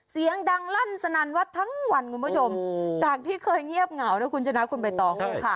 เสียงดังลั่นสนานวัดทั้งวันคุณผู้ชมจากที่เคยเงียบเหงาแล้วคุณจะนับคุณไปต่อคำ